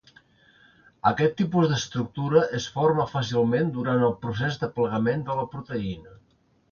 Aquest tipus d’estructura es forma fàcilment durant el procés de plegament de la proteïna.